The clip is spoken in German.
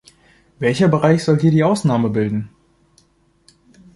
Welcher Bereich soll hier die Ausnahme bilden?